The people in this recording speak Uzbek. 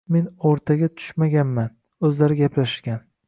Man o‘rtaga tushmaganman, o‘zlari gaplashishgan.